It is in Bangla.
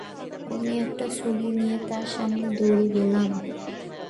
আমি একটা ছুরি নিয়ে তার সামনে দৌড়ে গেলাম।